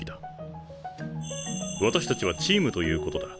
私たちはチームということだ。